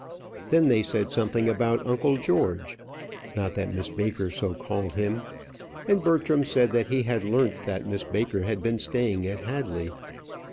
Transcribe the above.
Then they said something about uncle George not that Miss Baker so called him and Bertram said that he had learnt that Miss Baker had been staying at Hadley.